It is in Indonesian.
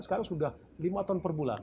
sekarang sudah lima ton per bulan